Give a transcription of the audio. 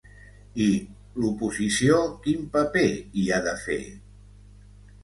I l’oposició quin paper hi ha de fer?